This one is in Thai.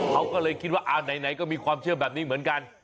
เขาก็เลยคิดว่าไหนก็มีความเชื่อแบบนี้เหมือนกัน